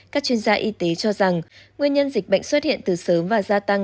các chuyên gia y tế cho rằng nguyên nhân dịch bệnh xuất hiện từ sớm và gia tăng